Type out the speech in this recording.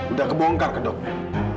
udah kebongkar ke dokter